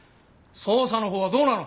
捜査の方はどうなの？